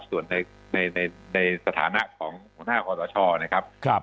ส่วนในสถานะของหัวหน้าของรัฐช่อนะครับครับ